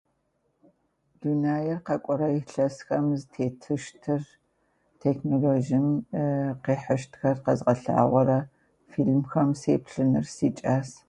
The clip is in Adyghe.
Дунае къэкӏорэ илъэсхэм зытетыщтыр, технолоджием къихьыщтхэр къэзэлъагъорэ фильмхэм сеплъыныр сикӏас.